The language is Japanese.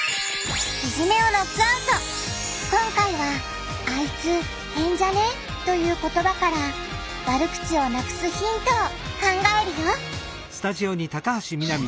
今回は「あいつ変じゃね？」という言葉から悪口をなくすヒントを考えるよ！